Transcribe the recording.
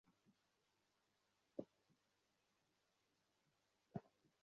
তিনি গুডিভ পদক লাভ করেন।